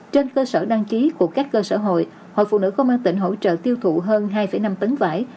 trên cơ sở đăng ký của các cơ sở hội hội phụ nữ công an tỉnh hỗ trợ tiêu thụ hơn hai năm tấn vải